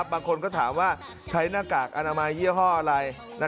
บางคนก็ถามว่าใช้หน้ากากอนามัยยี่ห้ออะไร